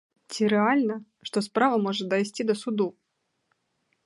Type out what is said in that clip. Ці рэальна, што справа можа дайсці да суду?